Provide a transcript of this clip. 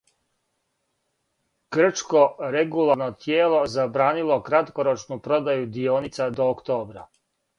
Грчко регулаторно тијело забранило краткорочну продају дионица до октобра